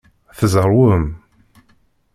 Tzerwem.